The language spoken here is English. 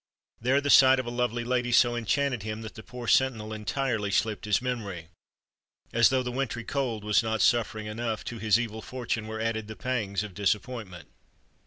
There the sight of a lovely lady so enchanted him that the poor sentinel entirely slipped his memory. As though the wintry cold was not suffering enough, to his evil fortune were added the pangs of disappointment!